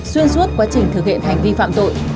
xuyên suốt quá trình thực hiện hành vi phạm tội